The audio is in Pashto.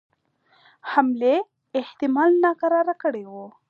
حملې احتمال ناکراره کړي وه.